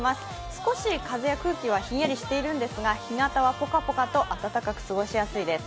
少し風や空気はひんやりしているんですが日なたはぽかぽかと暖かく過ごしやすいです。